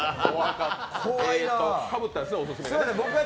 かぶったんですね、オススメが。